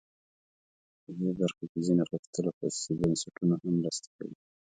په دې برخه کې ځینو غښتلو خصوصي بنسټونو هم مرستې کړي.